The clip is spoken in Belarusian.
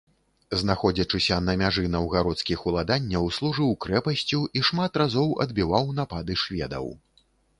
Знаходзячыся на мяжы наўгародскіх уладанняў, служыў крэпасцю і шмат разоў адбіваў напады шведаў.